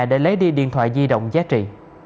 để lấy đi điện thoại di động giá trị